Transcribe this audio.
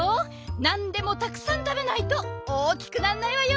なんでもたくさんたべないと大きくなんないわよ。